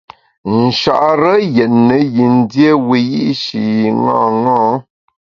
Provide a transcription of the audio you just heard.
Nchare yètne yin dié wiyi’shi ṅaṅâ.